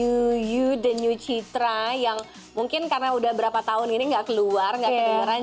new you the new citra yang mungkin karena udah berapa tahun ini nggak keluar nggak kedengeran